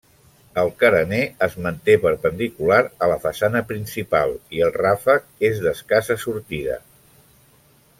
El carener es manté perpendicular a la façana principal i el ràfec és d'escassa sortida.